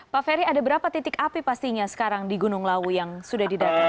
pak ferry ada berapa titik api pastinya sekarang di gunung lawu yang sudah didatangi